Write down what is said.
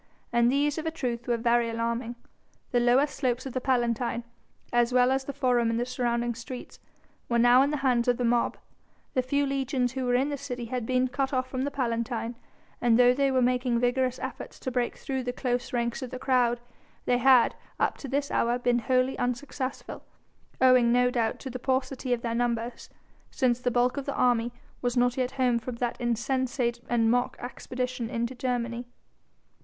And these, of a truth, were very alarming. The lower slopes of the Palatine, as well as the Forum and the surrounding streets, were now in the hands of the mob. The few legions who were in the city had been cut off from the Palatine, and though they were making vigorous efforts to break through the close ranks of the crowd, they had, up to this hour, been wholly unsuccessful, owing no doubt to the paucity of their numbers, since the bulk of the army was not yet home from that insensate and mock expedition into Germany.